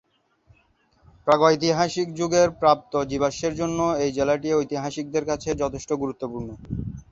প্রাগৈতিহাসিক যুগের প্রাপ্ত জীবাশ্মের জন্য এই জেলাটি ঐতিহাসিকদের কাছে যথেষ্ট গুরুত্বপূর্ণ।